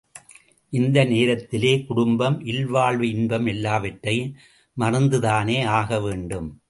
இந்த நேரத்திலே குடும்பம், இல்வாழ்வு இன்பம் எல்லாவற்றையும் மறந்துதானே ஆக வேண்டும்?